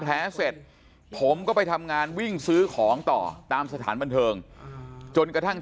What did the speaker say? แผลเสร็จผมก็ไปทำงานวิ่งซื้อของต่อตามสถานบันเทิงจนกระทั่ง